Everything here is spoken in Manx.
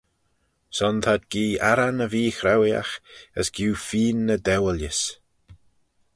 Son t'ad gee arran y vee-chraueeaght, as giu feeyn y dewilys.